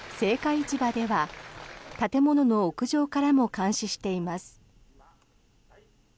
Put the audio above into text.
市場では建物の屋上からも監視しています。